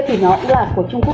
thì nó cũng là của trung quốc